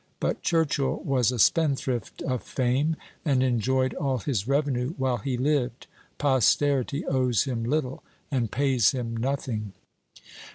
But Churchill was a spendthrift of fame, and enjoyed all his revenue while he lived; posterity owes him little, and pays him nothing!